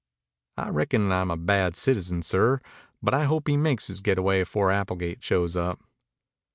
"I reckon I'm a bad citizen, sir, but I hope he makes his getaway before Applegate shows up."